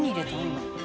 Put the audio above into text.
今」